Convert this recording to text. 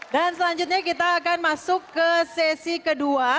dan selanjutnya kita akan masuk ke sesi kedua